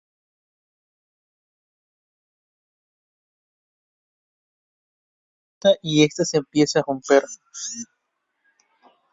Sang-hwa y Seok-woo no logran cerrar la puerta y esta se empieza a romper.